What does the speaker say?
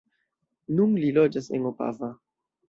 Nun li loĝas en Opava.